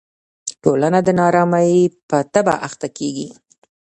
ټولنه د نا ارامۍ په تبه اخته کېږي.